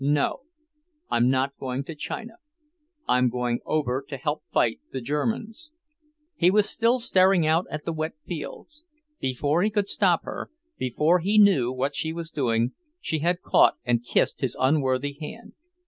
"No, I'm not going to China. I'm going over to help fight the Germans." He was still staring out at the wet fields. Before he could stop her, before he knew what she was doing, she had caught and kissed his unworthy hand.